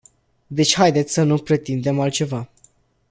Deci haideți să nu pretindem altceva.